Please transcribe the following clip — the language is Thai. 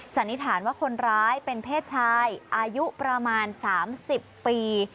สันนิษฐานว่าคนร้ายเป็นเพศชายอายุประมาณ๓๐ปี